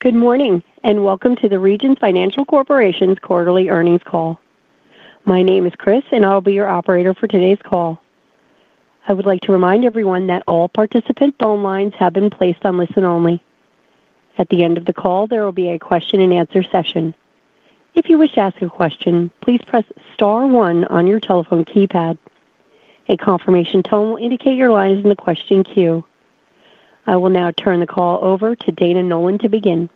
Good morning and welcome to the Regions Financial Corporation quarterly earnings call. My name is Chris, and I'll be your operator for today's call. I would like to remind everyone that all participant phone lines have been placed on listen only. At the end of the call, there will be a question and answer session. If you wish to ask a question, please press star one on your telephone keypad. A confirmation tone will indicate your line is in the question queue. I will now turn the call over to Dana Nolan to begin.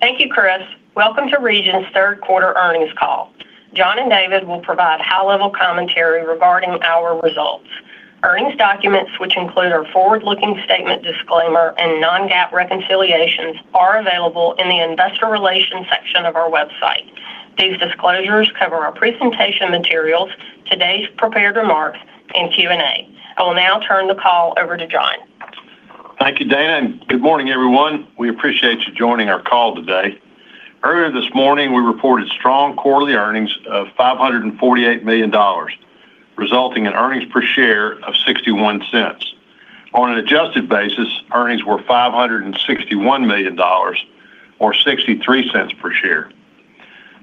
Thank you, Chris. Welcome to Regions' third quarter earnings call. John and David will provide high-level commentary regarding our results. Earnings documents, which include our forward-looking statement disclaimer and non-GAAP reconciliations, are available in the investor relations section of our website. These disclosures cover our presentation materials, today's prepared remarks, and Q&A. I will now turn the call over to John. Thank you, Dana, and good morning, everyone. We appreciate you joining our call today. Earlier this morning, we reported strong quarterly earnings of $548 million, resulting in earnings per share of $0.61. On an adjusted basis, earnings were $561 million or $0.63 per share.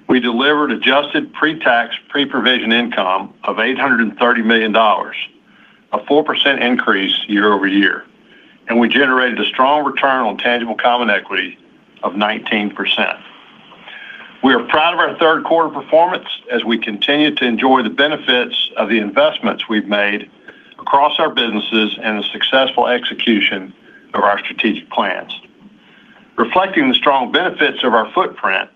We delivered adjusted pre-tax, pre-provision income of $830 million, a 4% increase year-over-year, and we generated a strong return on tangible common equity of 19%. We are proud of our third quarter performance as we continue to enjoy the benefits of the investments we've made across our businesses and the successful execution of our strategic plans. Reflecting the strong benefits of our footprint,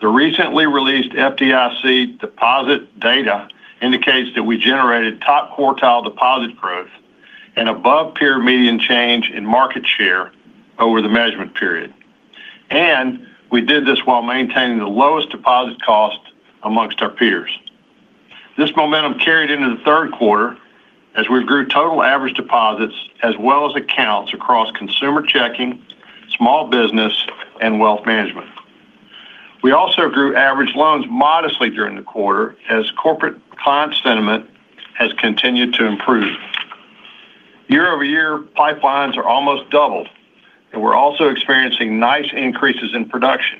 the recently released FDIC deposit data indicates that we generated top quartile deposit growth and above peer median change in market share over the measurement period. We did this while maintaining the lowest deposit cost amongst our peers. This momentum carried into the third quarter as we grew total average deposits as well as accounts across consumer checking, small business, and wealth management. We also grew average loans modestly during the quarter as corporate client sentiment has continued to improve. Year-over-year, pipelines are almost doubled, and we're also experiencing nice increases in production.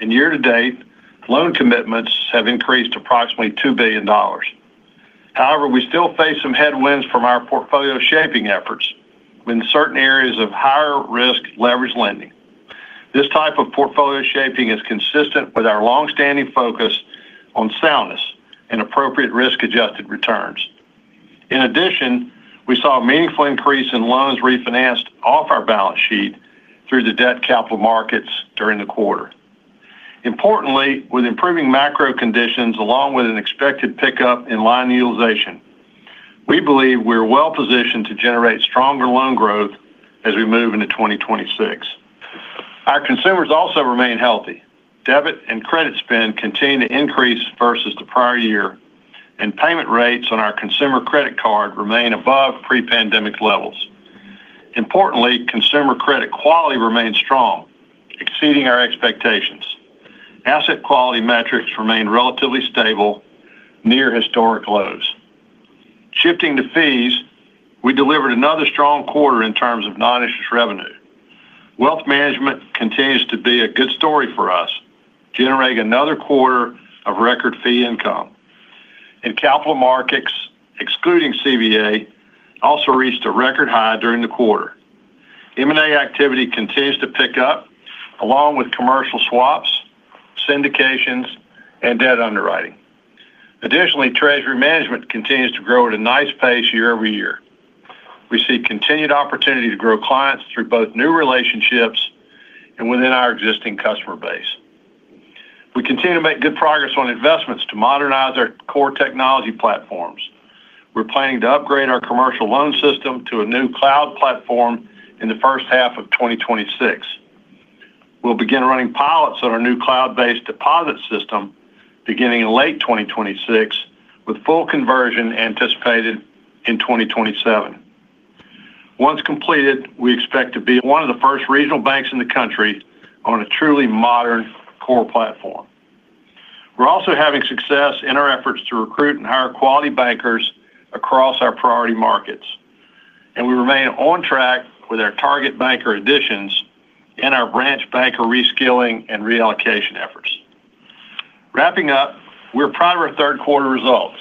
In year-to-date, loan commitments have increased approximately $2 billion. However, we still face some headwinds from our portfolio shaping efforts in certain areas of higher risk leveraged lending. This type of portfolio shaping is consistent with our long-standing focus on soundness and appropriate risk-adjusted returns. In addition, we saw a meaningful increase in loans refinanced off our balance sheet through the debt capital markets during the quarter. Importantly, with improving macro conditions along with an expected pickup in line utilization, we believe we're well-positioned to generate stronger loan growth as we move into 2026. Our consumers also remain healthy. Debit and credit spend continue to increase versus the prior year, and payment rates on our consumer credit card remain above pre-pandemic levels. Importantly, consumer credit quality remains strong, exceeding our expectations. Asset quality metrics remain relatively stable, near historic lows. Shifting to fees, we delivered another strong quarter in terms of non-interest revenue. Wealth management continues to be a good story for us, generating another quarter of record fee income. In capital markets, excluding CVA, also reached a record high during the quarter. M&A activity continues to pick up along with commercial swaps, syndications, and debt underwriting. Additionally, treasury management continues to grow at a nice pace year over year. We see continued opportunity to grow clients through both new relationships and within our existing customer base. We continue to make good progress on investments to modernize our core technology platforms. We're planning to upgrade our commercial loan system to a new cloud platform in the first half of 2026. We'll begin running pilots on our new cloud-based deposit system beginning in late 2026, with full conversion anticipated in 2027. Once completed, we expect to be one of the first regional banks in the country on a truly modern core platform. We're also having success in our efforts to recruit and hire quality bankers across our priority markets, and we remain on track with our target banker additions and our branch banker reskilling and reallocation efforts. Wrapping up, we're proud of our third quarter results.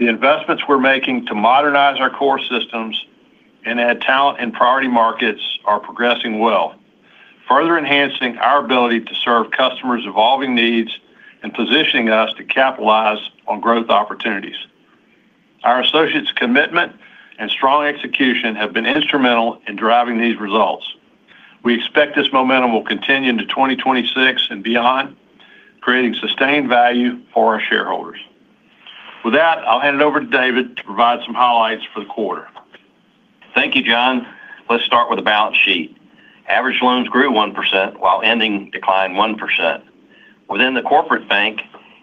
The investments we're making to modernize our core systems and add talent in priority markets are progressing well, further enhancing our ability to serve customers' evolving needs and positioning us to capitalize on growth opportunities. Our associates' commitment and strong execution have been instrumental in driving these results. We expect this momentum will continue into 2026 and beyond, creating sustained value for our shareholders. With that, I'll hand it over to David to provide some highlights for the quarter. Thank you, John. Let's start with the balance sheet. Average loans grew 1% while ending declined 1%. Within the corporate bank,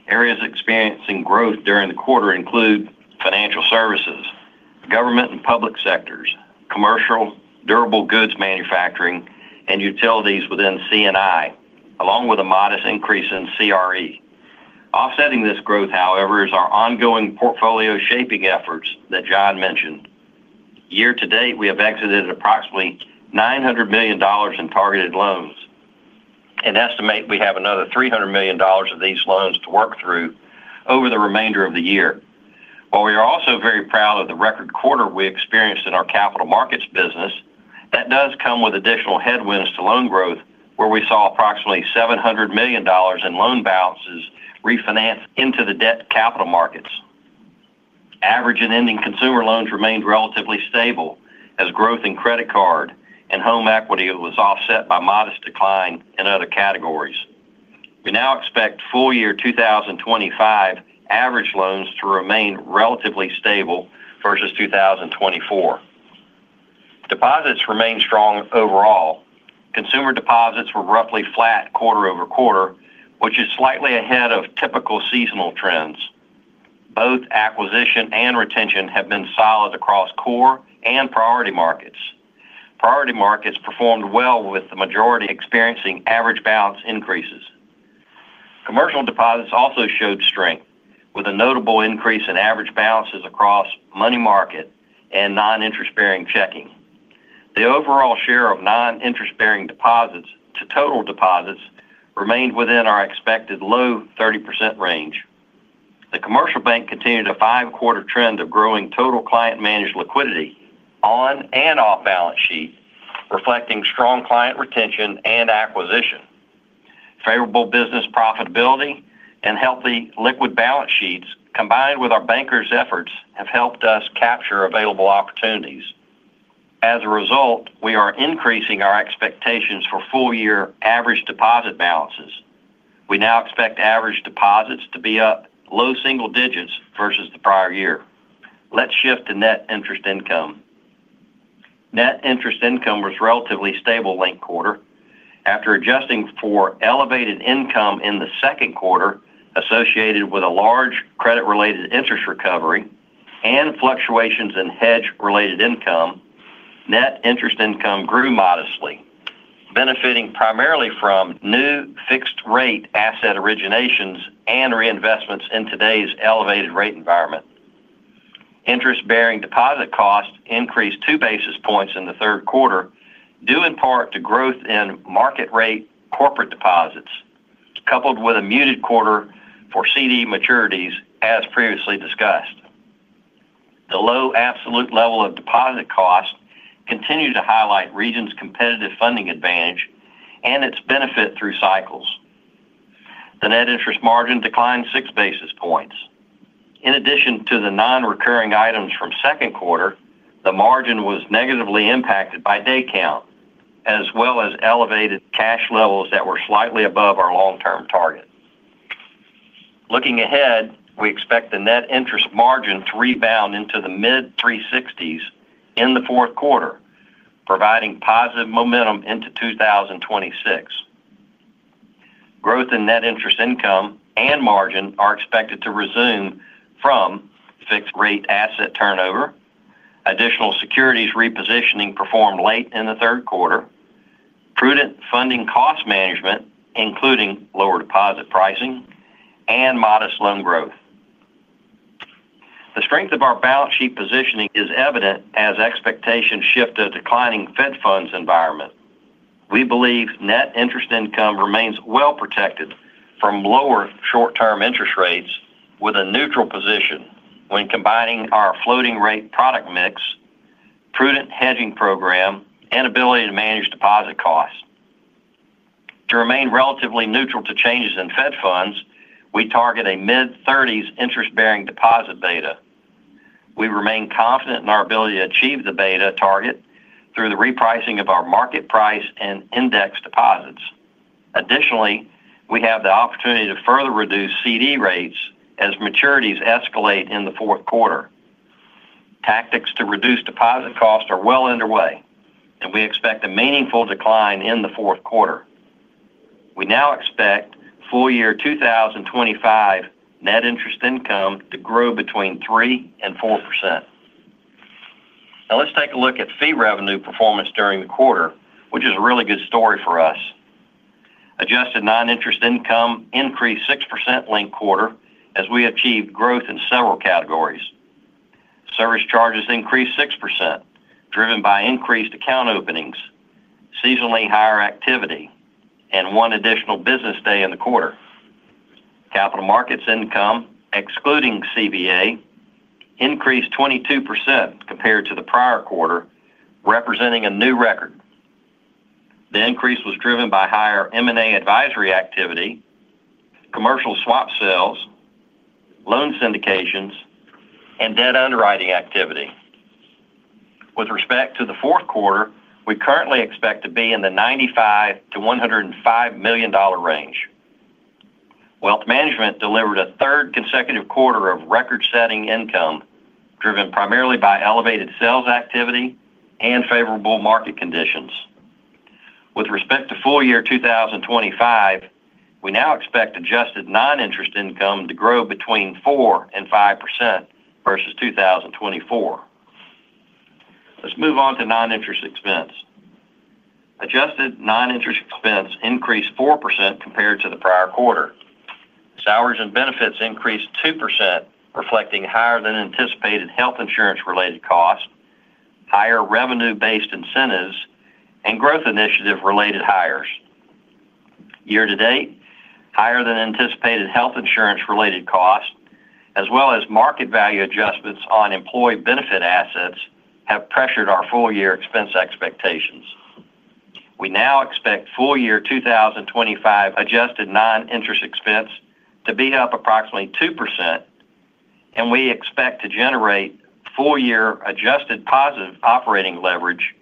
areas experiencing growth during the quarter include financial services, government and public sectors, commercial durable goods manufacturing, and utilities within C&I, along with a modest increase in CRE. Offsetting this growth, however, is our ongoing portfolio shaping efforts that John mentioned. Year-to-date, we have exited approximately $900 million in targeted loans and estimate we have another $300 million of these loans to work through over the remainder of the year. While we are also very proud of the record quarter we experienced in our capital markets business, that does come with additional headwinds to loan growth, where we saw approximately $700 million in loan balances refinanced into the debt capital markets. Average and ending consumer loans remained relatively stable as growth in credit card and home equity was offset by modest decline in other categories. We now expect full-year 2025 average loans to remain relatively stable versus 2024. Deposits remain strong overall. Consumer deposits were roughly flat quarter-over-quarter, which is slightly ahead of typical seasonal trends. Both acquisition and retention have been solid across core and priority markets. Priority markets performed well with the majority experiencing average balance increases. Commercial deposits also showed strength, with a notable increase in average balances across money market and non-interest-bearing checking. The overall share of non-interest-bearing deposits to total deposits remained within our expected low 30% range. The commercial bank continued a five-quarter trend of growing total client-managed liquidity on and off balance sheet, reflecting strong client retention and acquisition. Favorable business profitability and healthy liquid balance sheets, combined with our bankers' efforts, have helped us capture available opportunities. As a result, we are increasing our expectations for full-year average deposit balances. We now expect average deposits to be up low single digits versus the prior year. Let's shift to net interest income. Net interest income was relatively stable late quarter. After adjusting for elevated income in the second quarter associated with a large credit-related interest recovery and fluctuations in hedge-related income, net interest income grew modestly, benefiting primarily from new fixed-rate asset originations and reinvestments in today's elevated rate environment. Interest-bearing deposit costs increased two basis points in the third quarter, due in part to growth in market-rate corporate deposits, coupled with a muted quarter for CD maturities as previously discussed. The low absolute level of deposit cost continued to highlight Regions' competitive funding advantage and its benefit through cycles. The net interest margin declined six basis points. In addition to the non-recurring items from second quarter, the margin was negatively impacted by day count, as well as elevated cash levels that were slightly above our long-term target. Looking ahead, we expect the net interest margin to rebound into the mid-360s in the fourth quarter, providing positive momentum into 2026. Growth in net interest income and margin are expected to resume from fixed-rate asset turnover, additional securities repositioning performed late in the third quarter, prudent funding cost management, including lower deposit pricing, and modest loan growth. The strength of our balance sheet positioning is evident as expectations shift to a declining Fed funds environment. We believe net interest income remains well protected from lower short-term interest rates with a neutral position when combining our floating rate product mix, prudent hedging program, and ability to manage deposit costs. To remain relatively neutral to changes in Fed funds, we target a mid-30s interest-bearing deposit beta. We remain confident in our ability to achieve the beta target through the repricing of our market price and index deposits. Additionally, we have the opportunity to further reduce CD rates as maturities escalate in the fourth quarter. Tactics to reduce deposit costs are well underway, and we expect a meaningful decline in the fourth quarter. We now expect full-year 2025 net interest income to grow between 3%-4%. Now let's take a look at fee revenue performance during the quarter, which is a really good story for us. Adjusted non-interest income increased 6% link quarter as we achieved growth in several categories. Service charges increased 6%, driven by increased account openings, seasonally higher activity, and one additional business day in the quarter. Capital markets income, excluding CVA, increased 22% compared to the prior quarter, representing a new record. The increase was driven by higher M&A advisory activity, commercial swap sales, loan syndications, and debt underwriting activity. With respect to the fourth quarter, we currently expect to be in the $95 million-$105 million range. Wealth management delivered a third consecutive quarter of record-setting income, driven primarily by elevated sales activity and favorable market conditions. With respect to full-year 2025, we now expect adjusted non-interest income to grow between 4%-5% versus 2024. Let's move on to non-interest expense. Adjusted non-interest expense increased 4% compared to the prior quarter. Salaries and benefits increased 2%, reflecting higher than anticipated health insurance-related costs, higher revenue-based incentives, and growth initiative-related hires. Year-to-date, higher than anticipated health insurance-related costs, as well as market value adjustments on employee benefit assets, have pressured our full-year expense expectations. We now expect full-year 2025 adjusted non-interest expense to be up approximately 2%, and we expect to generate full-year adjusted positive operating leverage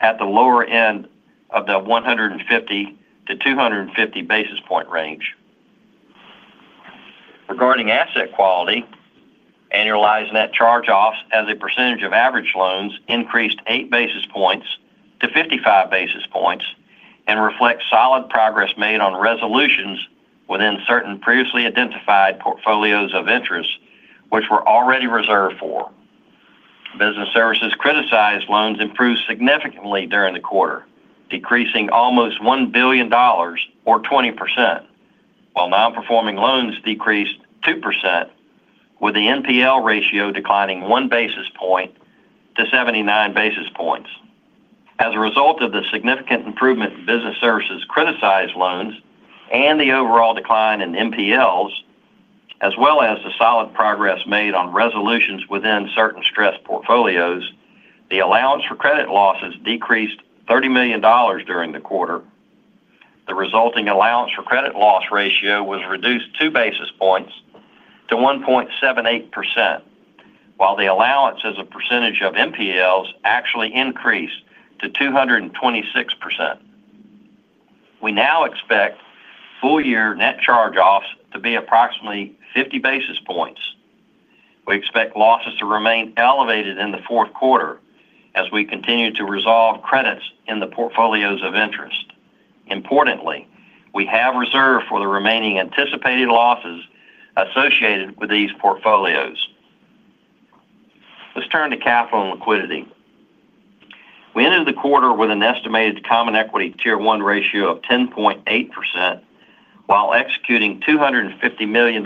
at the lower end of the 150-250 basis point range. Regarding asset quality, annualized net charge-offs as a percentage of average loans increased 8 basis points to 55 basis points and reflect solid progress made on resolutions within certain previously identified portfolios of interest which were already reserved for. Business services criticized loans improved significantly during the quarter, decreasing almost $1 billion or 20%, while non-performing loans decreased 2%, with the NPL ratio declining 1 basis point to 79 basis points. As a result of the significant improvement in business services criticized loans and the overall decline in NPLs, as well as the solid progress made on resolutions within certain stress portfolios, the allowance for credit losses decreased $30 million during the quarter. The resulting allowance for credit loss ratio was reduced 2 basis points to 1.78%, while the allowance as a percentage of NPLs actually increased to 226%. We now expect full-year net charge-offs to be approximately 50 basis points. We expect losses to remain elevated in the fourth quarter as we continue to resolve credits in the portfolios of interest. Importantly, we have reserved for the remaining anticipated losses associated with these portfolios. Let's turn to capital and liquidity. We ended the quarter with an estimated common equity tier one ratio of 10.8% while executing $250 million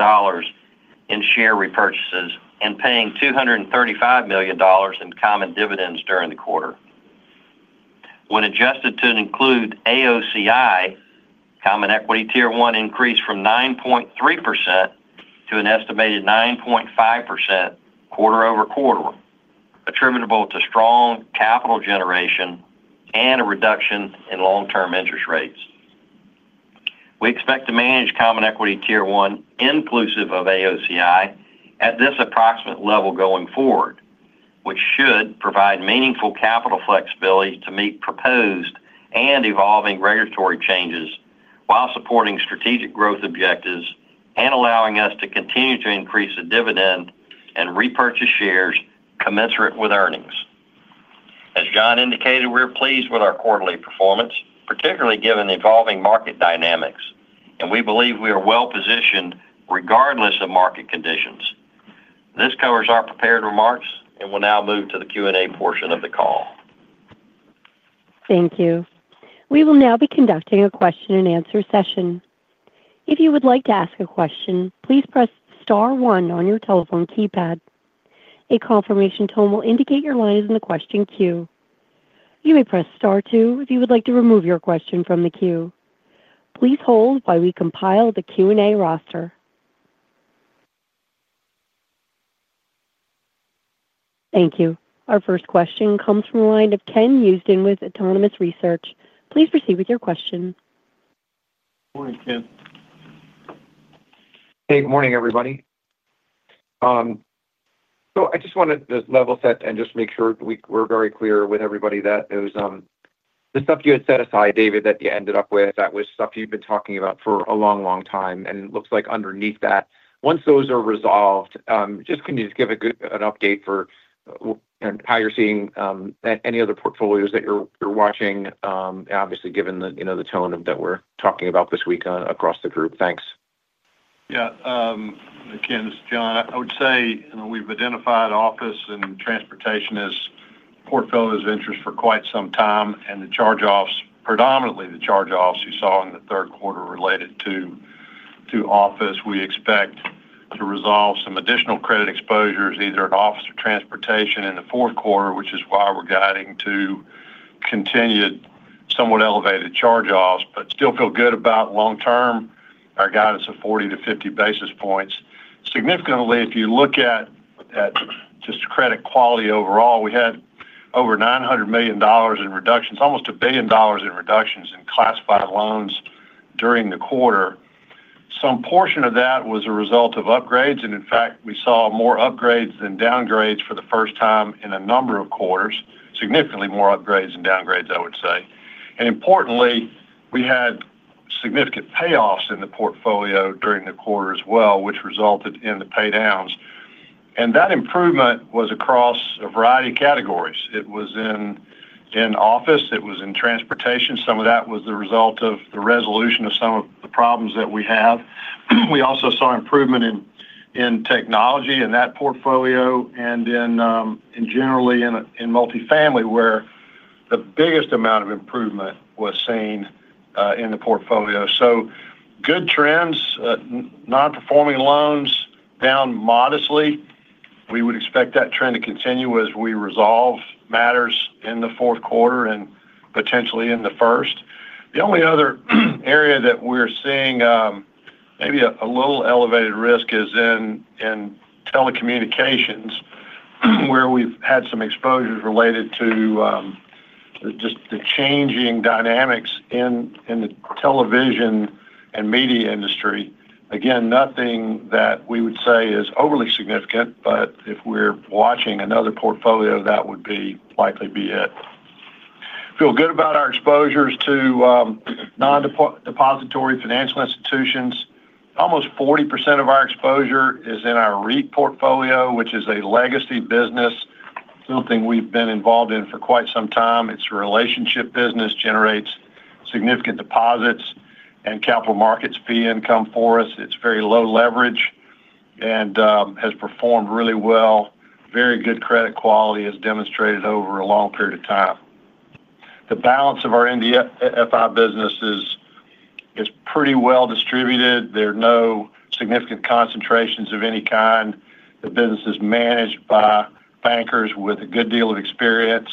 in share repurchases and paying $235 million in common dividends during the quarter. When adjusted to include AOCI, common equity tier one increased from 9.3% to an estimated 9.5% quarter-over-quarter, attributable to strong capital generation and a reduction in long-term interest rates. We expect to manage common equity tier one inclusive of AOCI at this approximate level going forward, which should provide meaningful capital flexibility to meet proposed and evolving regulatory changes while supporting strategic growth objectives and allowing us to continue to increase the dividend and repurchase shares commensurate with earnings. As John indicated, we're pleased with our quarterly performance, particularly given the evolving market dynamics, and we believe we are well positioned regardless of market conditions. This covers our prepared remarks, and we'll now move to the Q&A portion of the call. Thank you. We will now be conducting a question-and-answer session. If you would like to ask a question, please press star one on your telephone keypad. A confirmation tone will indicate your line is in the question queue. You may press star two if you would like to remove your question from the queue. Please hold while we compile the Q&A roster. Thank you. Our first question comes from the line of Ken Usdin with Autonomous Research. Please proceed with your question. Morning, Ken. Good morning, everybody. I just wanted to level set and make sure we're very clear with everybody that it was the stuff you had set aside, David, that you ended up with. That was stuff you've been talking about for a long, long time. It looks like underneath that, once those are resolved, can you give a good update for how you're seeing any other portfolios that you're watching? Obviously, given the tone that we're talking about this week across the group. Thanks. Yeah. Again, this is John. I would say, you know, we've identified office and transportation as portfolios of interest for quite some time, and the charge-offs, predominantly the charge-offs you saw in the third quarter related to office, we expect to resolve some additional credit exposures either at office or transportation in the fourth quarter, which is why we're guiding to continued somewhat elevated charge-offs, but still feel good about long-term our guidance of 40-50 basis points. Significantly, if you look at just credit quality overall, we had over $900 million in reductions, almost $1 billion in reductions in classified loans during the quarter. Some portion of that was a result of upgrades, and in fact, we saw more upgrades than downgrades for the first time in a number of quarters, significantly more upgrades than downgrades, I would say. Importantly, we had significant payoffs in the portfolio during the quarter as well, which resulted in the paydowns. That improvement was across a variety of categories. It was in office. It was in transportation. Some of that was the result of the resolution of some of the problems that we have. We also saw improvement in technology in that portfolio and generally in multifamily, where the biggest amount of improvement was seen in the portfolio. Good trends, non-performing loans down modestly. We would expect that trend to continue as we resolve matters in the fourth quarter and potentially in the first. The only other area that we're seeing maybe a little elevated risk is in telecommunications, where we've had some exposures related to just the changing dynamics in the television and media industry. Nothing that we would say is overly significant, but if we're watching another portfolio, that would likely be it. Feel good about our exposures to non-depository financial institutions. Almost 40% of our exposure is in our REIT portfolio, which is a legacy business, something we've been involved in for quite some time. It's a relationship business, generates significant deposits and capital markets fee income for us. It's very low leverage and has performed really well. Very good credit quality as demonstrated over a long period of time. The balance of our NDFI business is pretty well distributed. There are no significant concentrations of any kind. The business is managed by bankers with a good deal of experience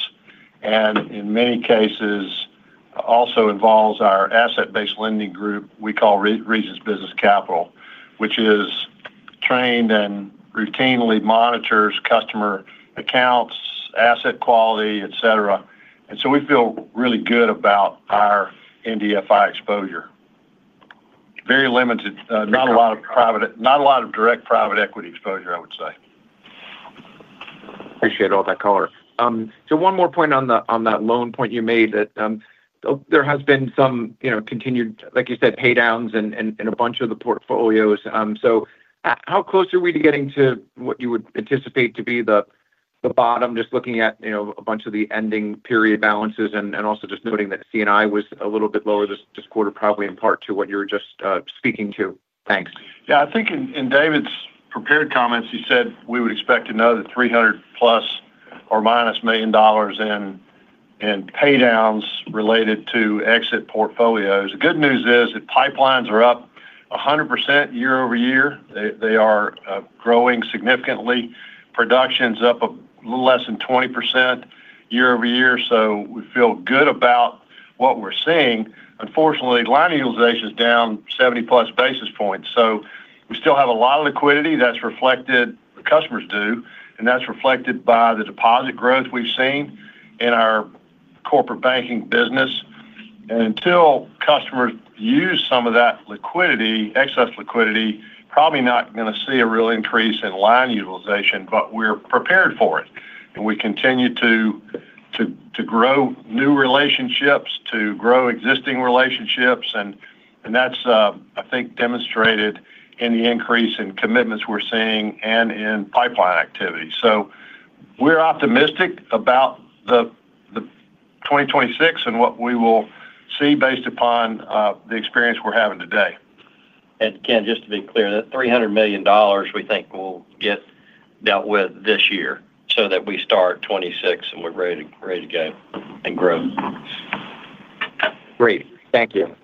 and in many cases also involves our asset-based lending group we call Regions Business Capital, which is trained and routinely monitors customer accounts, asset quality, etc. We feel really good about our NDFI exposure. Very limited, not a lot of private, not a lot of direct private equity exposure, I would say. Appreciate all that, color. One more point on that loan point you made is that there has been some, you know, continued, like you said, paydowns in a bunch of the portfolios. How close are we to getting to what you would anticipate to be the bottom, just looking at, you know, a bunch of the ending period balances and also just noting that C&I was a little bit lower this quarter, probably in part to what you were just speaking to? Thanks. Yeah, I think in David's prepared comments, he said we would expect another $300 million± in paydowns related to exit portfolios. The good news is that pipelines are up 100% year-over-year. They are growing significantly. Production's up a little less than 20% year-over-year. We feel good about what we're seeing. Unfortunately, line utilization is down 70+ basis points. We still have a lot of liquidity that's reflected, the customers do, and that's reflected by the deposit growth we've seen in our corporate banking business. Until customers use some of that liquidity, excess liquidity, probably not going to see a real increase in line utilization, but we're prepared for it. We continue to grow new relationships, to grow existing relationships, and that's, I think, demonstrated in the increase in commitments we're seeing and in pipeline activity. We're optimistic about 2026 and what we will see based upon the experience we're having today. Ken, just to be clear, that $300 million we think will get dealt with this year so that we start 2026 and we're ready to go and grow. Great. Thank you.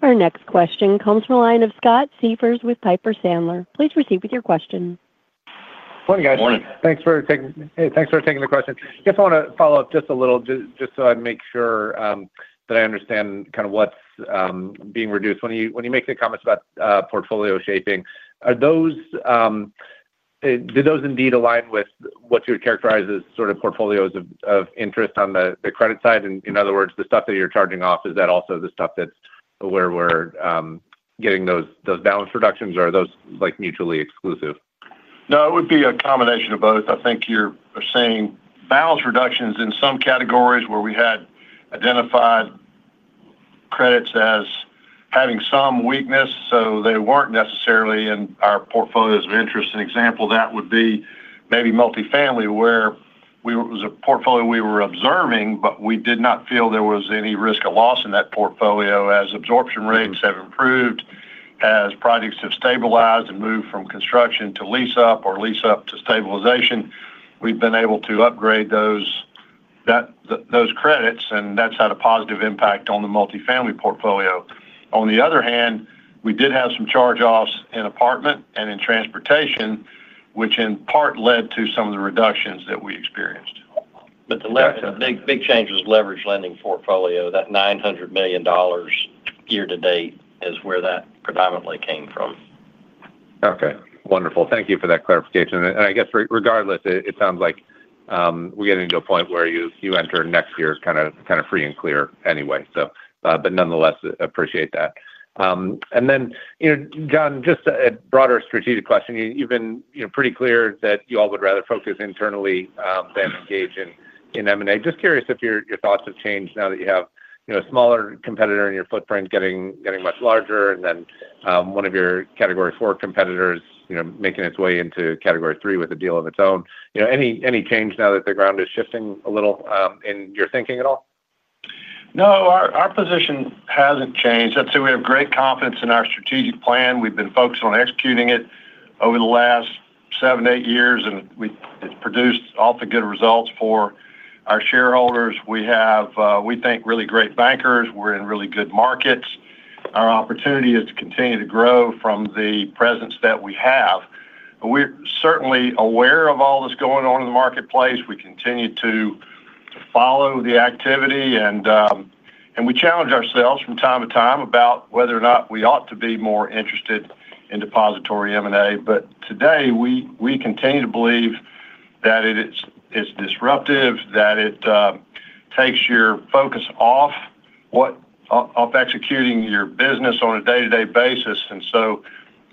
Our next question comes from the line of Scott Siefers with Piper Sandler. Please proceed with your question. Morning, guys. Thanks for taking the question. I want to follow up just a little, just so I make sure that I understand kind of what's being reduced. When you make the comments about portfolio shaping, do those indeed align with what you would characterize as sort of portfolios of interest on the credit side? In other words, the stuff that you're charging off, is that also the stuff where we're getting those balance reductions, or are those mutually exclusive? No, it would be a combination of both. I think you're seeing balance reductions in some categories where we had identified credits as having some weakness, so they weren't necessarily in our portfolios of interest. An example of that would be maybe multifamily, where it was a portfolio we were observing, but we did not feel there was any risk of loss in that portfolio. As absorption rates have improved, as projects have stabilized and moved from construction to lease-up or lease-up to stabilization, we've been able to upgrade those credits, and that's had a positive impact on the multifamily portfolio. On the other hand, we did have some charge-offs in apartment and in transportation, which in part led to some of the reductions that we experienced. The big change was leveraged lending portfolio. That $900 million year-to-date is where that predominantly came from. Okay. Wonderful. Thank you for that clarification. I guess regardless, it sounds like we're getting to a point where you enter next year kind of free and clear anyway. Nonetheless, I appreciate that. John, just a broader strategic question. You've been pretty clear that you all would rather focus internally than engage in M&A. Just curious if your thoughts have changed now that you have a smaller competitor in your footprint getting much larger and then one of your category four competitors making its way into category three with a deal of its own. Any change now that the ground is shifting a little in your thinking at all? No, our position hasn't changed. I'd say we have great confidence in our strategic plan. We've been focused on executing it over the last seven, eight years, and it's produced all the good results for our shareholders. We have, we think, really great bankers. We're in really good markets. Our opportunity is to continue to grow from the presence that we have. We're certainly aware of all that's going on in the marketplace. We continue to follow the activity, and we challenge ourselves from time to time about whether or not we ought to be more interested in depository M&A. Today, we continue to believe that it is disruptive, that it takes your focus off executing your business on a day-to-day basis. I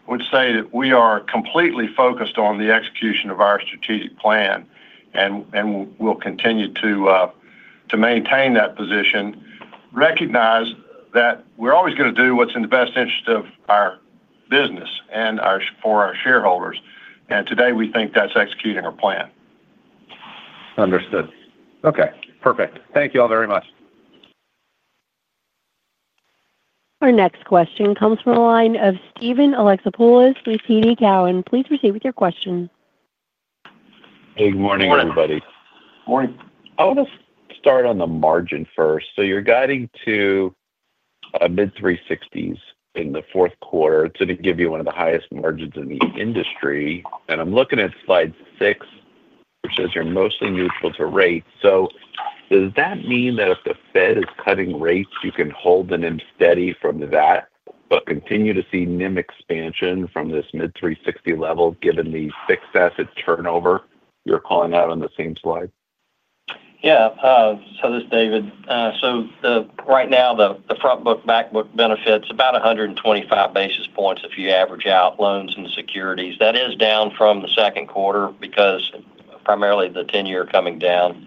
would say that we are completely focused on the execution of our strategic plan, and we'll continue to maintain that position, recognize that we're always going to do what's in the best interest of our business and for our shareholders. Today, we think that's executing our plan. Understood. Okay, perfect. Thank you all very much. Our next question comes from the line of Steven Alexopoulos with TD Cowen. Please proceed with your question. Hey, good morning, everybody. Morning. I want to start on the margin first. You're guiding to mid-360s in the fourth quarter. It's going to give you one of the highest margins in the industry. I'm looking at slide six, which says you're mostly neutral to rates. Does that mean that if the Fed is cutting rates, you can hold the NIM steady from that but continue to see NIM expansion from this mid-360 level, given the fixed asset turnover you're calling out on the same slide? Yeah. This is David. Right now, the frontbook, backbook benefit is about 125 basis points if you average out loans and securities. That is down from the second quarter, primarily because the 10-year is coming down.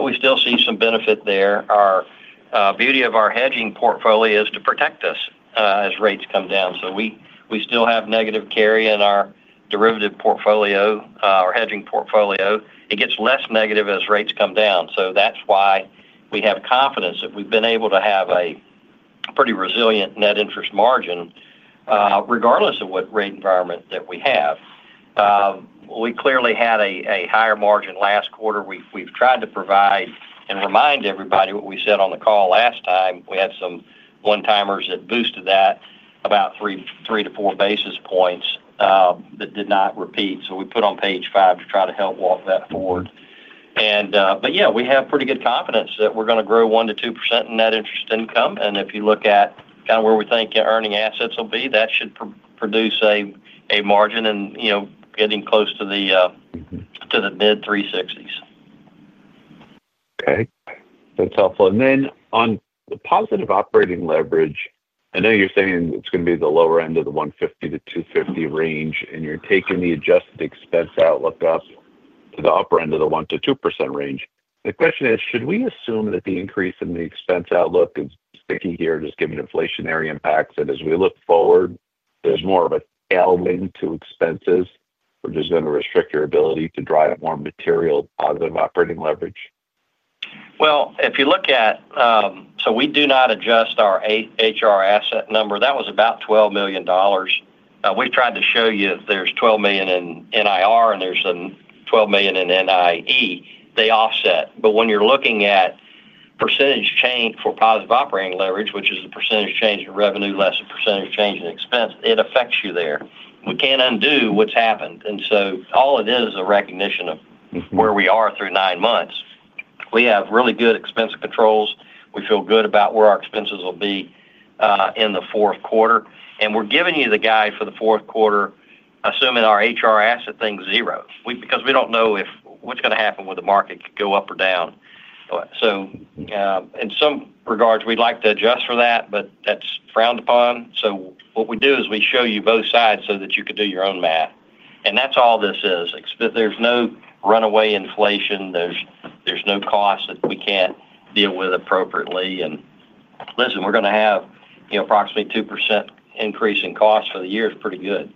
We still see some benefit there. The beauty of our hedging portfolio is to protect us as rates come down. We still have negative carry in our derivative portfolio, our hedging portfolio. It gets less negative as rates come down. That is why we have confidence that we've been able to have a pretty resilient net interest margin regardless of what rate environment we have. We clearly had a higher margin last quarter. We've tried to provide and remind everybody what we said on the call last time. We had some one-timers that boosted that about three to four basis points that did not repeat. We put on page five to try to help walk that forward. We have pretty good confidence that we're going to grow 1%-2% in net interest income. If you look at kind of where we think earning assets will be, that should produce a margin getting close to the mid-360s. Okay. That's helpful. On the positive operating leverage, I know you're saying it's going to be the lower end of the 150-250 range, and you're taking the adjusted expense outlook up to the upper end of the 1%-2% range. The question is, should we assume that the increase in the expense outlook is sticky here just given inflationary impacts? As we look forward, there's more of a tailwind to expenses, which is going to restrict your ability to drive more material positive operating leverage? If you look at, we do not adjust our HR asset number. That was about $12 million. We've tried to show you if there's $12 million in NIR and there's $12 million in NIE, they offset. When you're looking at percentage change for positive operating leverage, which is a percentage change in revenue less a percentage change in expense, it affects you there. We can't undo what's happened. All it is is a recognition of where we are through nine months. We have really good expense controls. We feel good about where our expenses will be in the fourth quarter. We're giving you the guide for the fourth quarter, assuming our HR asset thing's zero because we don't know if what's going to happen with the market could go up or down. In some regards, we'd like to adjust for that, but that's frowned upon. What we do is we show you both sides so that you could do your own math. That's all this is. There's no runaway inflation. There's no cost that we can't deal with appropriately. We're going to have approximately 2% increase in cost for the year, which is pretty good,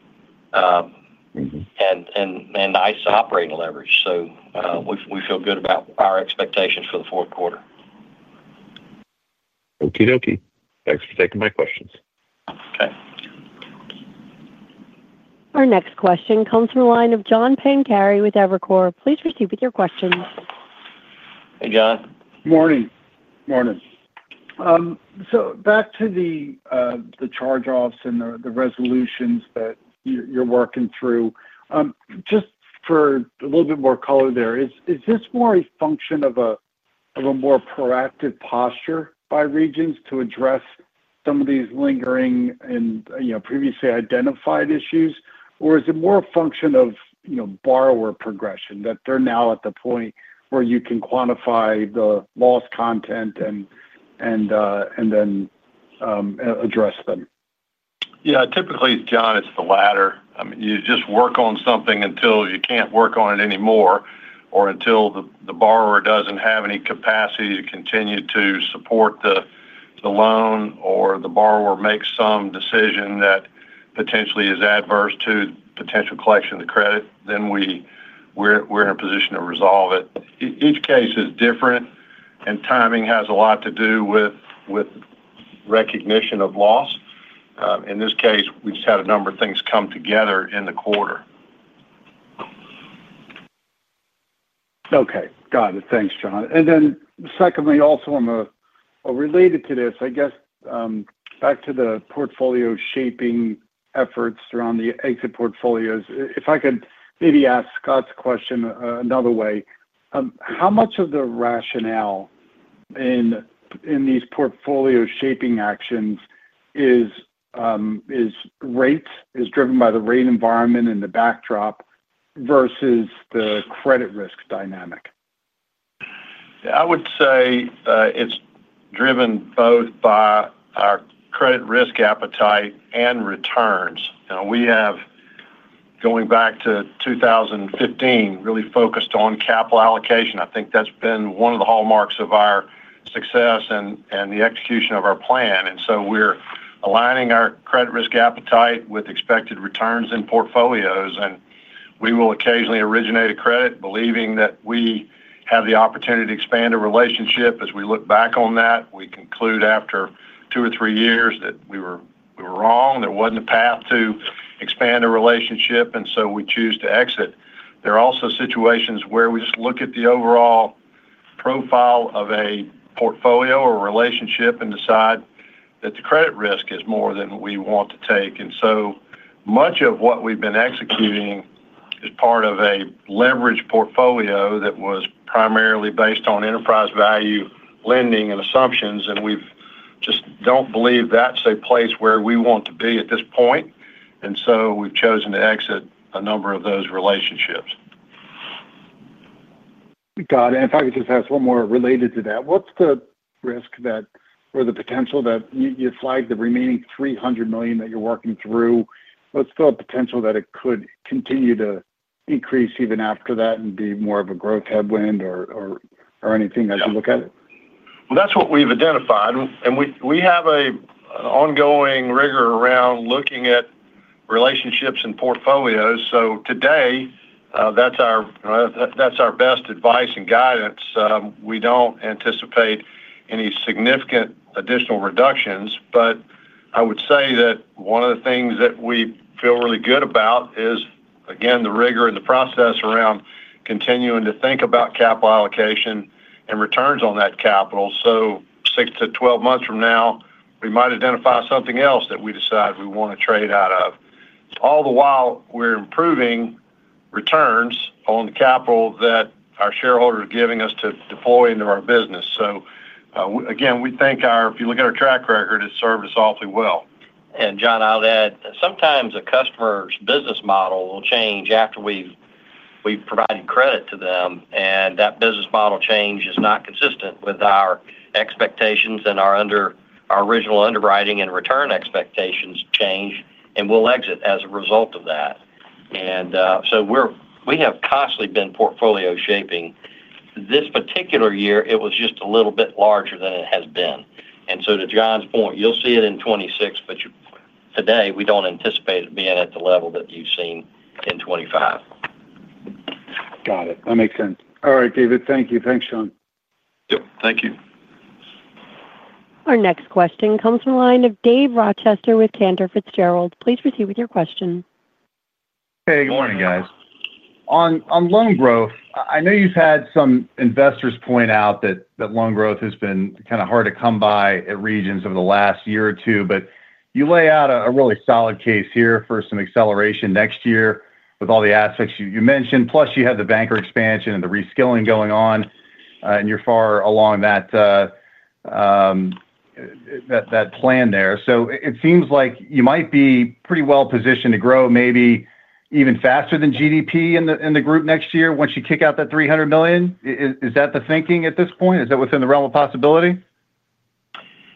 and nice operating leverage. We feel good about our expectations for the fourth quarter. Okay. Thanks for taking my questions. Okay. Our next question comes from a line of John Pancari with Evercore ISI. Please proceed with your questions. Hey, John. Morning. Morning. Back to the charge-offs and the resolutions that you're working through. Just for a little bit more color there, is this more a function of a more proactive posture by Regions to address some of these lingering and previously identified issues, or is it more a function of, you know, borrower progression that they're now at the point where you can quantify the loss content and then address them? Yeah. Typically, John, it's the latter. You just work on something until you can't work on it anymore or until the borrower doesn't have any capacity to continue to support the loan or the borrower makes some decision that potentially is adverse to the potential collection of the credit, then we're in a position to resolve it. Each case is different, and timing has a lot to do with recognition of loss. In this case, we just had a number of things come together in the quarter. Okay. Got it. Thanks, John. Secondly, also related to this, back to the portfolio shaping efforts around the exit portfolios, if I could maybe ask Scott's question another way, how much of the rationale in these portfolio shaping actions is rate? Is it driven by the rate environment in the backdrop versus the credit risk dynamic? Yeah. I would say it's driven both by our credit risk appetite and returns. We have, going back to 2015, really focused on capital allocation. I think that's been one of the hallmarks of our success and the execution of our plan. We're aligning our credit risk appetite with expected returns in portfolios. We will occasionally originate a credit believing that we have the opportunity to expand a relationship. As we look back on that, we conclude after two or three years that we were wrong. There wasn't a path to expand a relationship, and we choose to exit. There are also situations where we just look at the overall profile of a portfolio or relationship and decide that the credit risk is more than we want to take. Much of what we've been executing is part of a leveraged portfolio that was primarily based on enterprise value lending and assumptions. We just don't believe that's a place where we want to be at this point, and we've chosen to exit a number of those relationships. Got it. If I could just ask one more related to that, what's the risk or the potential that you flagged the remaining $300 million that you're working through? What's the potential that it could continue to increase even after that and be more of a growth headwind or anything as you look at it? That is what we've identified. We have an ongoing rigor around looking at relationships and portfolios. Today, that's our best advice and guidance. We don't anticipate any significant additional reductions. I would say that one of the things that we feel really good about is, again, the rigor and the process around continuing to think about capital allocation and returns on that capital. 6-12 months from now, we might identify something else that we decide we want to trade out of. All the while, we're improving returns on the capital that our shareholders are giving us to deploy into our business. We think our, if you look at our track record, it's served us awfully well. John, I'll add, sometimes a customer's business model will change after we've provided credit to them. That business model change is not consistent with our expectations, and our original underwriting and return expectations change. We'll exit as a result of that. We have constantly been portfolio shaping. This particular year, it was just a little bit larger than it has been. To John's point, you'll see it in 2026, but today, we don't anticipate it being at the level that you've seen in 2025. Got it. That makes sense. All right, David. Thank you. Thanks, John. Thank you. Our next question comes from the line of Dave Rochester with Cantor Fitzgerald. Please proceed with your question. Hey, good morning, guys. Hey. On loan growth, I know you've had some investors point out that loan growth has been kind of hard to come by at Regions over the last year or two. You lay out a really solid case here for some acceleration next year with all the assets you mentioned. Plus, you had the banker expansion and the reskilling going on. You're far along that plan there. It seems like you might be pretty well positioned to grow maybe even faster than GDP in the group next year once you kick out that $300 million. Is that the thinking at this point? Is that within the realm of possibility?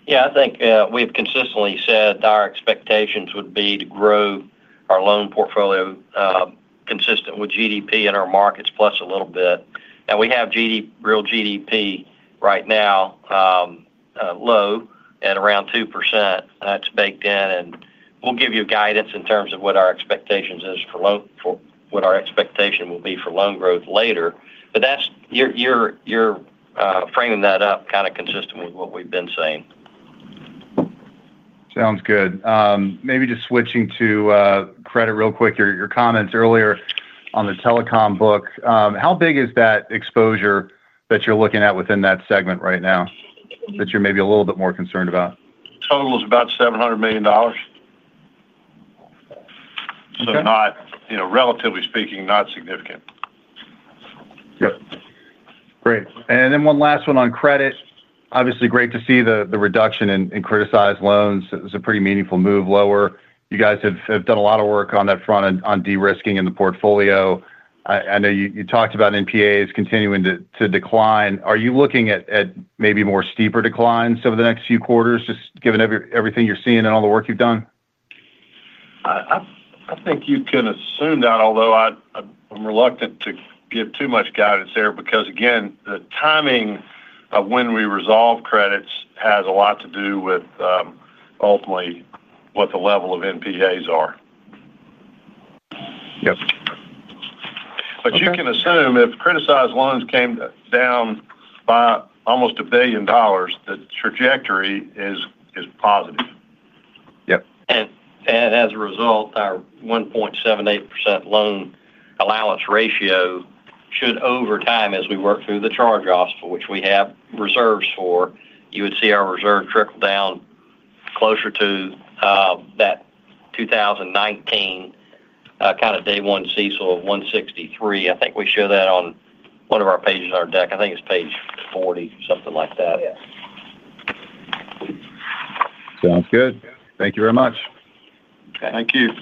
I think we've consistently said our expectations would be to grow our loan portfolio consistent with GDP in our markets, plus a little bit. We have real GDP right now low at around 2%. That's baked in. We'll give you guidance in terms of what our expectation will be for loan growth later. You're framing that up kind of consistent with what we've been saying. Sounds good. Maybe just switching to credit real quick, your comments earlier on the telecom book. How big is that exposure that you're looking at within that segment right now that you're maybe a little bit more concerned about? Total is about $700 million, not, you know, relatively speaking, not significant. Great. One last one on credit. Obviously, great to see the reduction in criticized loans. It was a pretty meaningful move lower. You guys have done a lot of work on that front on de-risking in the portfolio. I know you talked about NPAs continuing to decline. Are you looking at maybe more steeper declines over the next few quarters, just given everything you're seeing and all the work you've done? I think you can assume that, although I'm reluctant to give too much guidance there because, again, the timing of when we resolve credits has a lot to do with, ultimately, what the level of NPAs is. Yep. You can assume if criticized loans came down by almost $1 billion, the trajectory is positive. Yep. As a result, our 1.78% loan allowance ratio should, over time, as we work through the charge-offs, which we have reserves for, you would see our reserve trickle down closer to that 2019 kind of day one CECL of 1.63%. I think we show that on one of our pages on our deck. I think it's page 40 or something like that. Sounds good. Thank you very much. Okay. Thank you.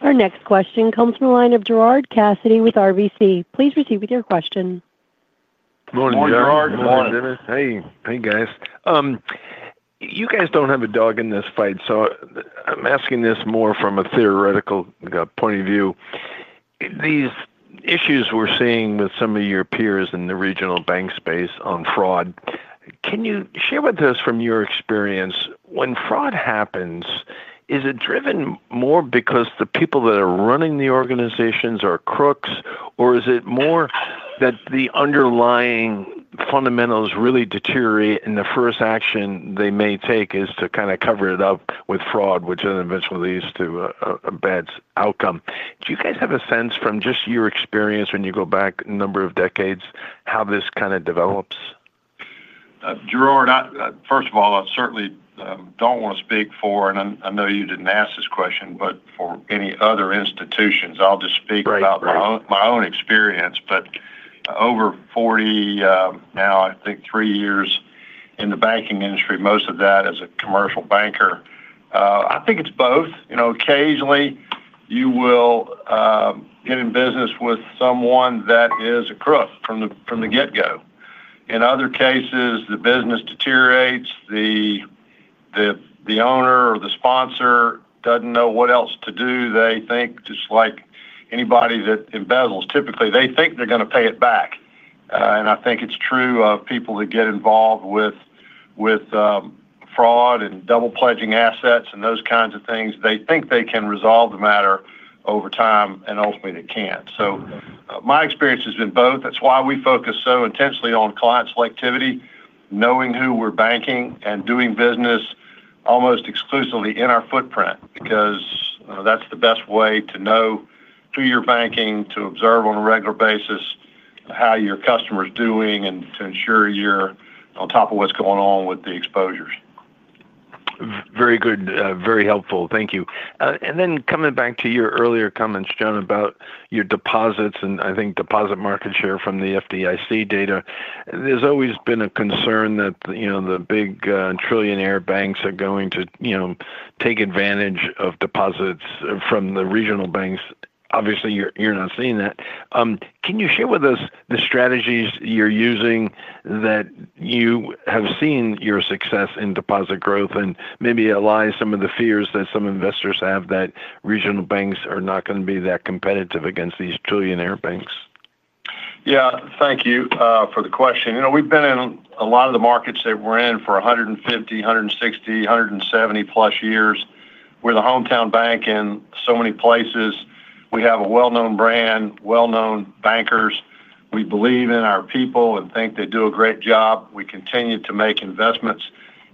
Our next question comes from the line of Gerard Cassidy with RBC Capital Markets. Please proceed with your question. Morning, Gerard. Morning. Morning, David. Hey, guys. You guys don't have a dog in this fight. I'm asking this more from a theoretical point of view. These issues we're seeing with some of your peers in the regional bank space on fraud, can you share with us from your experience, when fraud happens, is it driven more because the people that are running the organizations are crooks, or is it more that the underlying fundamentals really deteriorate and the first action they may take is to kind of cover it up with fraud, which then eventually leads to a bad outcome? Do you guys have a sense from just your experience when you go back a number of decades how this kind of develops? Gerard, first of all, I certainly don't want to speak for, and I know you didn't ask this question, but for any other institutions, I'll just speak about my own experience. Over 43 years in the banking industry, most of that as a commercial banker. I think it's both. Occasionally, you will get in business with someone that is a crook from the get-go. In other cases, the business deteriorates. The owner or the sponsor doesn't know what else to do. They think just like anybody that embezzles. Typically, they think they're going to pay it back. I think it's true of people that get involved with fraud and double pledging assets and those kinds of things. They think they can resolve the matter over time, and ultimately, they can't. My experience has been both. That's why we focus so intensely on client selectivity, knowing who we're banking and doing business almost exclusively in our footprint because that's the best way to know who you're banking, to observe on a regular basis how your customer's doing, and to ensure you're on top of what's going on with the exposures. Very good, very helpful. Thank you. Coming back to your earlier comments, John, about your deposits and I think deposit market share from the FDIC data, there's always been a concern that the big trillionaire banks are going to take advantage of deposits from the regional banks. Obviously, you're not seeing that. Can you share with us the strategies you're using that you have seen your success in deposit growth and maybe allay some of the fears that some investors have that regional banks are not going to be that competitive against these trillionaire banks? Thank you for the question. We've been in a lot of the markets that we're in for 150, 160, 170+ years. We're the hometown bank in so many places. We have a well-known brand, well-known bankers. We believe in our people and think they do a great job. We continue to make investments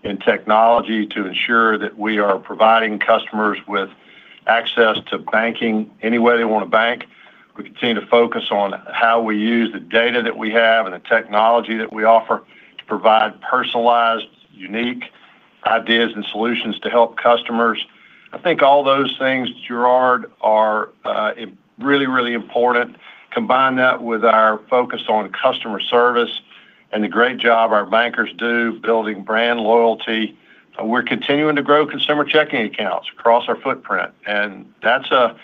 in technology to ensure that we are providing customers with access to banking anywhere they want to bank. We continue to focus on how we use the data that we have and the technology that we offer to provide personalized, unique ideas and solutions to help customers. I think all those things, Gerard, are really, really important. Combine that with our focus on customer service and the great job our bankers do building brand loyalty. We're continuing to grow consumer checking accounts across our footprint. That's a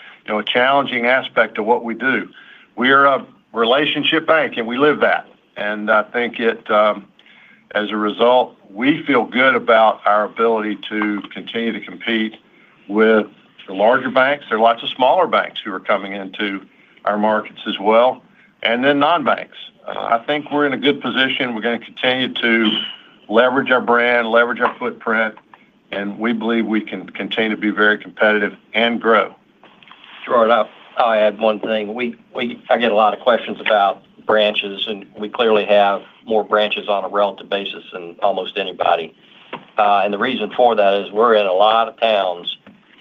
challenging aspect of what we do. We are a relationship bank, and we live that. I think, as a result, we feel good about our ability to continue to compete with the larger banks. There are lots of smaller banks who are coming into our markets as well, and then non-banks. I think we're in a good position. We're going to continue to leverage our brand, leverage our footprint, and we believe we can continue to be very competitive and grow. Gerard, I'll add one thing. I get a lot of questions about branches, and we clearly have more branches on a relative basis than almost anybody. The reason for that is we're in a lot of towns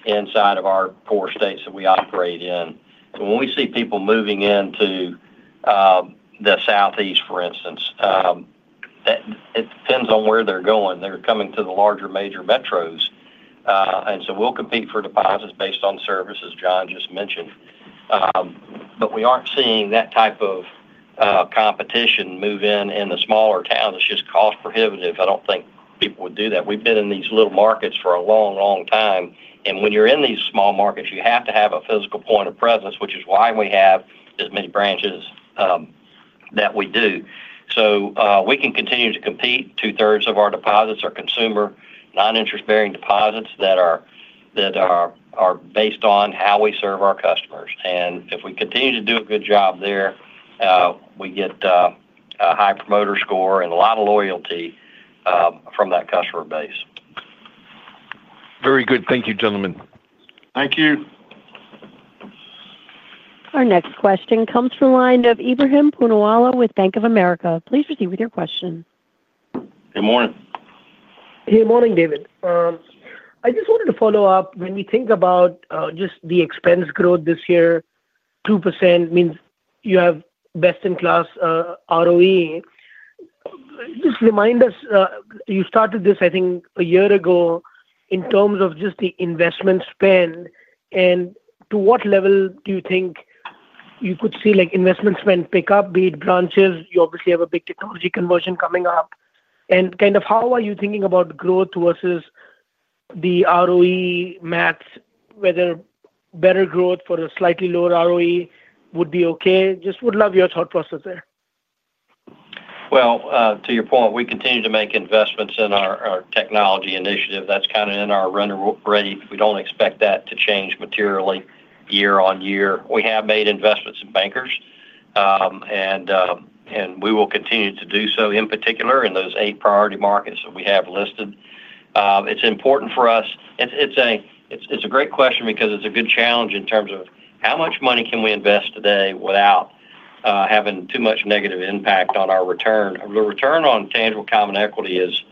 inside of our four states that we operate in. When we see people moving into the Southeast, for instance, it depends on where they're going. They're coming to the larger major metros. We'll compete for deposits based on services John just mentioned. We aren't seeing that type of competition move in in the smaller towns. It's just cost-prohibitive. I don't think people would do that. We've been in these little markets for a long, long time. When you're in these small markets, you have to have a physical point of presence, which is why we have as many branches that we do. We can continue to compete. Two-thirds of our deposits are consumer, non-interest-bearing deposits that are based on how we serve our customers. If we continue to do a good job there, we get a high promoter score and a lot of loyalty from that customer base. Very good. Thank you, gentlemen. Thank you. Our next question comes from the line of Ebrahim Poonawala with Bank of America. Please proceed with your question. Good morning. Hey, morning, David. I just wanted to follow up. When we think about just the expense growth this year, 2% means you have best-in-class ROE. Just remind us, you started this, I think, a year ago in terms of just the investment spend. To what level do you think you could see investment spend pick up, be it branches? You obviously have a big technology conversion coming up. How are you thinking about growth versus the ROE maths, whether better growth for a slightly lower ROE would be okay? Just would love your thought process there. To your point, we continue to make investments in our technology initiative. That's kind of in our run rate. We don't expect that to change materially year-on-year. We have made investments in bankers, and we will continue to do so, in particular in those eight priority markets that we have listed. It's important for us. It's a great question because it's a good challenge in terms of how much money can we invest today without having too much negative impact on our return. The return on tangible common equity is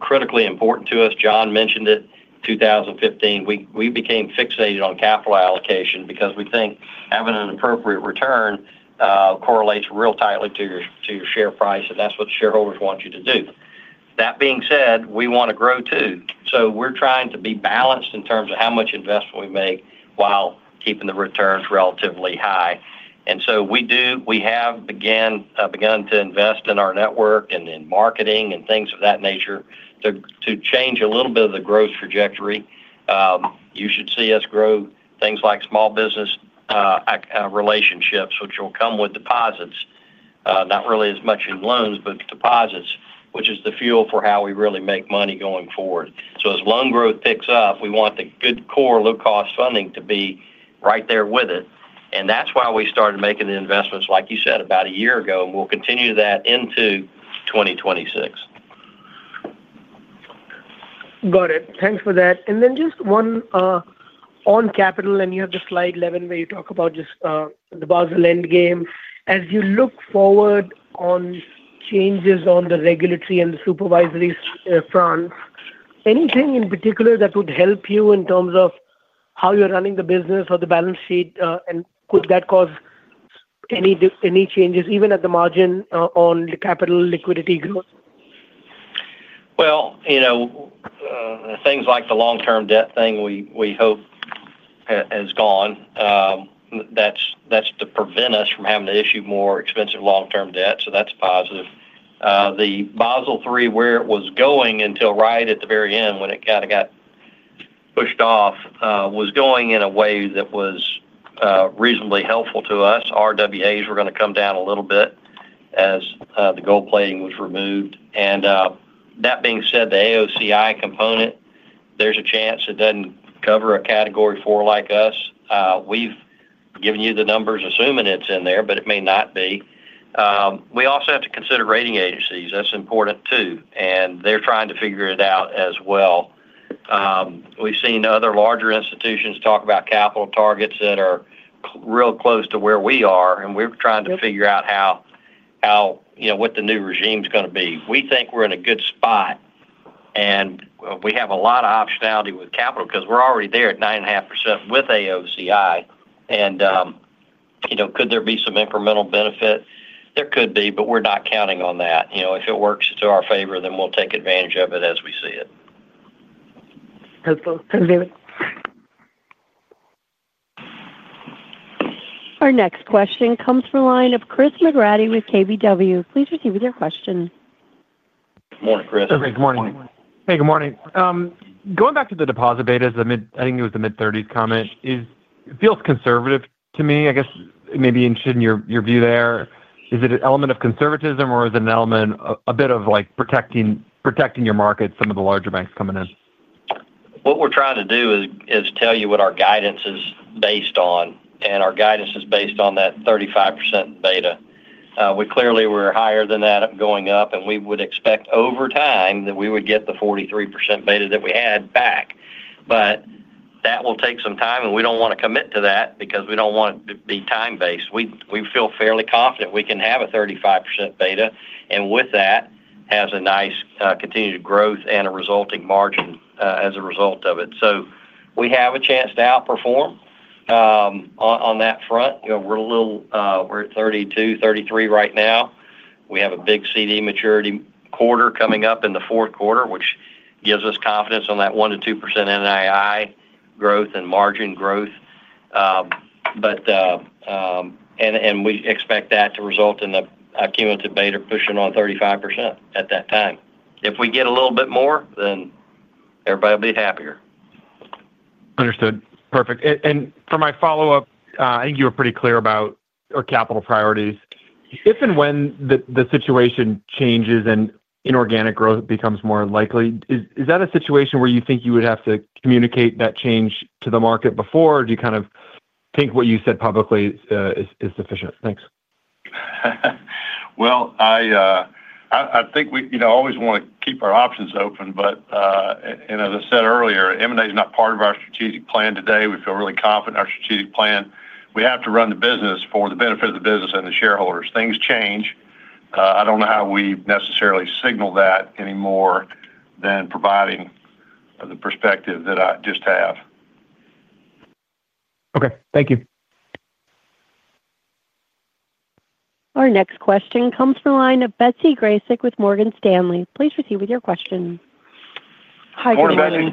critically important to us. John mentioned it. In 2015, we became fixated on capital allocation because we think having an appropriate return correlates real tightly to your share price, and that's what shareholders want you to do. That being said, we want to grow too. We're trying to be balanced in terms of how much investment we make while keeping the returns relatively high. We have begun to invest in our network and in marketing and things of that nature to change a little bit of the growth trajectory. You should see us grow things like small business relationships, which will come with deposits, not really as much in loans, but deposits, which is the fuel for how we really make money going forward. As loan growth picks up, we want the good core low-cost funding to be right there with it. That's why we started making the investments, like you said, about a year ago, and we'll continue that into 2026. Got it. Thanks for that. Just one on capital, you have the slide 11 where you talk about just the Basel endgame. As you look forward on changes on the regulatory and the supervisory fronts, anything in particular that would help you in terms of how you're running the business or the balance sheet? Could that cause any changes, even at the margin on the capital liquidity growth? Things like the long-term debt thing we hope has gone. That's to prevent us from having to issue more expensive long-term debt, so that's positive. The Basel III, where it was going until right at the very end when it kind of got pushed off, was going in a way that was reasonably helpful to us. RWAs were going to come down a little bit as the gold plating was removed. That being said, the AOCI component, there's a chance it doesn't cover a category four like us. We've given you the numbers, assuming it's in there, but it may not be. We also have to consider rating agencies. That's important too, and they're trying to figure it out as well. We've seen other larger institutions talk about capital targets that are real close to where we are, and we're trying to figure out how, you know, what the new regime is going to be. We think we're in a good spot, and we have a lot of optionality with capital because we're already there at 9.5% with AOCI. You know, could there be some incremental benefit? There could be, but we're not counting on that. If it works to our favor, then we'll take advantage of it as we see it. Hopeful. Thanks, David. Our next question comes from a line of Chris McGrady with KBW. Please proceed with your question. Morning, Chris. Hey, good morning. Hey, good morning. Hey, good morning. Going back to the deposit betas, I think it was the mid-30s comment. It feels conservative to me. I guess maybe interested in your view there. Is it an element of conservatism, or is it an element a bit of like protecting your market, some of the larger banks coming in? What we're trying to do is tell you what our guidance is based on, and our guidance is based on that 35% in beta. We clearly were higher than that going up, and we would expect over time that we would get the 43% beta that we had back. That will take some time, and we don't want to commit to that because we don't want it to be time-based. We feel fairly confident we can have a 35% beta, and with that has a nice continued growth and a resulting margin as a result of it. We have a chance to outperform on that front. We're at 32%-33% right now. We have a big CD maturity quarter coming up in the fourth quarter, which gives us confidence on that 1%-2% NII growth and margin growth. We expect that to result in a ccumulative beta pushing on 35% at that time. If we get a little bit more, then everybody will be happier. Understood. Perfect. For my follow-up, I think you were pretty clear about our capital priorities. If and when the situation changes and inorganic growth becomes more likely, is that a situation where you think you would have to communicate that change to the market before, or do you kind of think what you said publicly is sufficient? Thanks. I think we always want to keep our options open. As I said earlier, M&A is not part of our strategic plan today. We feel really confident in our strategic plan. We have to run the business for the benefit of the business and the shareholders. Things change. I don't know how we necessarily signal that any more than providing the perspective that I just have. Okay, thank you. Our next question comes from the line of Betsy Graseck with Morgan Stanley. Please proceed with your question. Hi, good morning. Morning,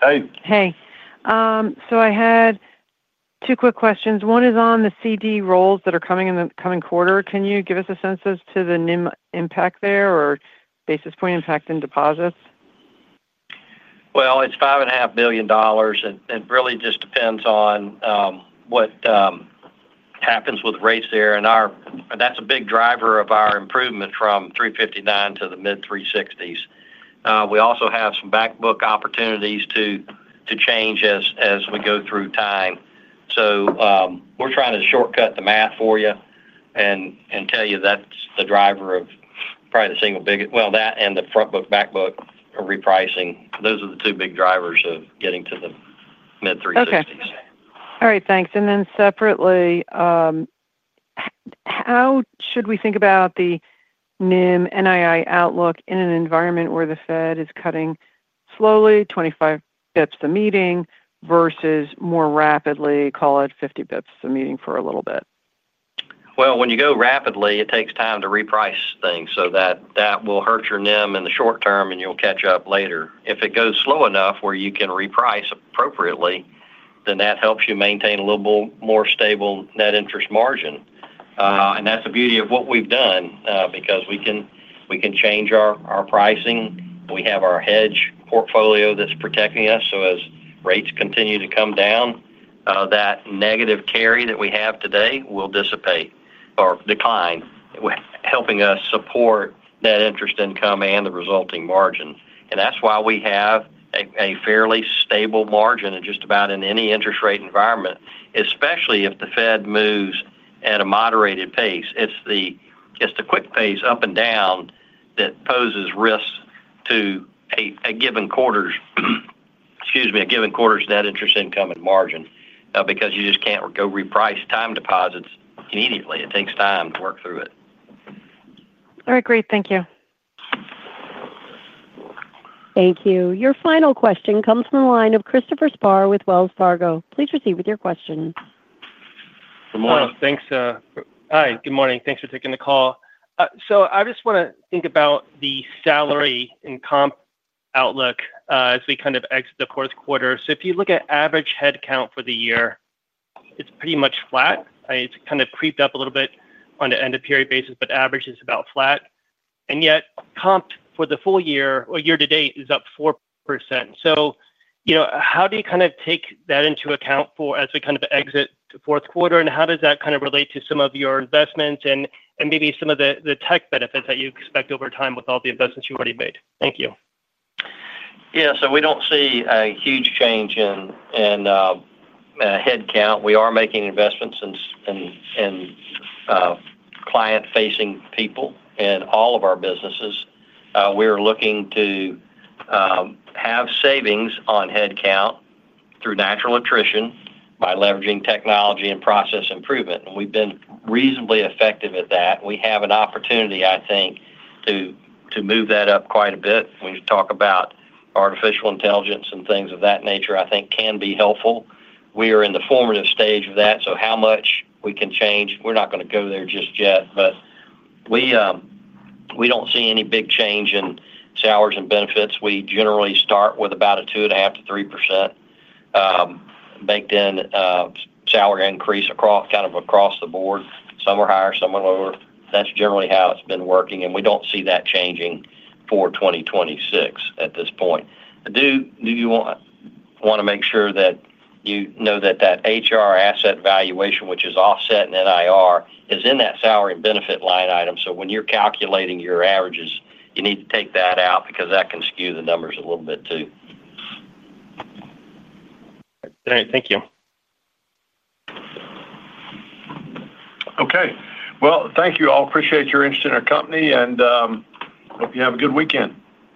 Betsy. Hey. Hey. I had two quick questions. One is on the CD rolls that are coming in the coming quarter. Can you give us a sense as to the NIM impact there or basis point impact in deposits? It's $5.5 billion, and it really just depends on what happens with rates there. That's a big driver of our improvement from 3.59% to the mid-3.60s%. We also have some backbook opportunities to change as we go through time. We're trying to shortcut the math for you and tell you that's the driver of probably the single biggest, that and the frontbook, backbook, or repricing. Those are the two big drivers of getting to the mid-3.60s%. Okay. All right. Thanks. Then separately, how should we think about the NIM NII outlook in an environment where the Fed is cutting slowly, 25 bps a meeting, versus more rapidly, call it 50 bps a meeting for a little bit? When you go rapidly, it takes time to reprice things. That will hurt your NIM in the short term, and you'll catch up later. If it goes slow enough where you can reprice appropriately, that helps you maintain a little more stable net interest margin. That's the beauty of what we've done because we can change our pricing. We have our hedge portfolio that's protecting us. As rates continue to come down, that negative carry that we have today will dissipate or decline, helping us support net interest income and the resulting margin. That's why we have a fairly stable margin in just about any interest rate environment, especially if the Fed moves at a moderated pace. It's the quick pace up and down that poses risks to a given quarter's net interest income and margin because you just can't go reprice time deposits immediately. It takes time to work through it. All right. Great. Thank you. Thank you. Your final question comes from a line of Christopher Spahr with Wells Fargo. Please proceed with your question. Good morning. Thanks. Hi. Good morning. Thanks for taking the call. I just want to think about the salary and comp outlook as we kind of exit the fourth quarter. If you look at average headcount for the year, it's pretty much flat. It's kind of creeped up a little bit on an end-of-period basis, but average is about flat. Yet, comp for the full year or year-to-date is up 4%. How do you kind of take that into account as we kind of exit the fourth quarter? How does that kind of relate to some of your investments and maybe some of the tech benefits that you expect over time with all the investments you already made? Thank you. Yeah. We don't see a huge change in headcount. We are making investments in client-facing people in all of our businesses. We are looking to have savings on headcount through natural attrition by leveraging technology and process improvement. We've been reasonably effective at that. We have an opportunity, I think, to move that up quite a bit. When you talk about artificial intelligence and things of that nature, I think it can be helpful. We are in the formative stage of that. How much we can change, we're not going to go there just yet. We don't see any big change in salaries and benefits. We generally start with about a 2.5%-3% baked-in salary increase kind of across the board. Some are higher, some are lower. That's generally how it's been working. We don't see that changing for 2026 at this point. I do want to make sure that you know that HR asset valuation, which is offset in NIR, is in that salary and benefit line item. When you're calculating your averages, you need to take that out because that can skew the numbers a little bit too. All right. Thank you. Thank you all. Appreciate your interest in our company, and I hope you have a good weekend.